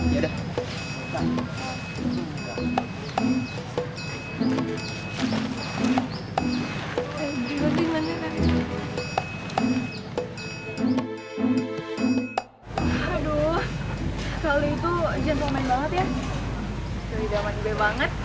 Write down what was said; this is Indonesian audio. kelidah manggil banget